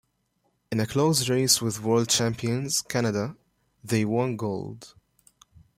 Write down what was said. In a close race with World champions Canada, they won gold.